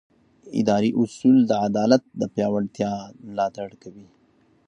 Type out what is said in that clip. اداري اصول د عدالت د پیاوړتیا ملاتړ کوي.